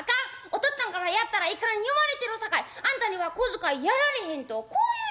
おとっつぁんからやったらいかん言われてるさかいあんたには小遣いやられへん』とこう言うってこっちゃろ。